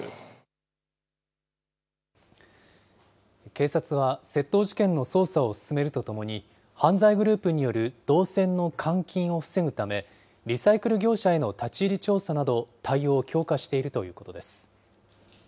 警察は窃盗事件の捜査を進めるとともに、犯罪グループによる銅線の換金を防ぐため、リサイクル業者への立ち入り調査など、対応を強化しているということです。